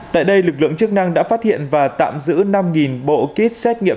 tại đây lực lượng chức năng đã phát hiện và tạm giữ năm bộ kit xét nghiệm